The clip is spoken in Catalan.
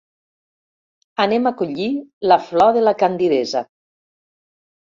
Anem a collir la flor de la candidesa.